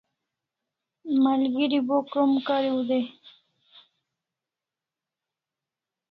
Malgeri bo krom kariu dai